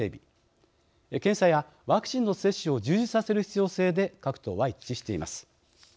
検査やワクチンの接種を充実させる必要性で各党は一致しています。